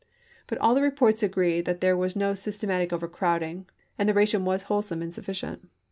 But all the reports agree that there was no systematic overcrowding, and the ration was Report of wholesome and sufficient.